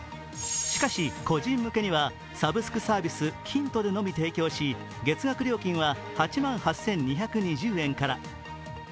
しかし、個人向けにはサブスクサービス、ＫＩＮＴＯでのみ提供し、月額料金は８万８２２０円から。